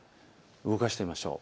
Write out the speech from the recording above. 動かしてみましょう。